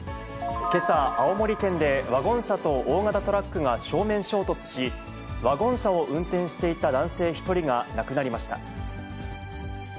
けさ、青森県でワゴン車と大型トラックが正面衝突し、ワゴン車を運転していた男性１人が亡くなりました。